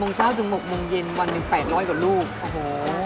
โมงเช้าถึง๖โมงเย็นวันหนึ่ง๘๐๐กว่าลูกโอ้โห